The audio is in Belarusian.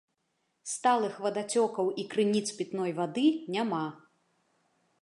Сталых вадацёкаў і крыніц пітной вады няма.